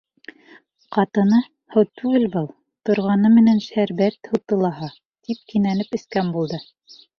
Ҡатыны, һыу түгел был, торғаны менән шәрбәт һуты лаһа, тип кинәнеп эскән булды.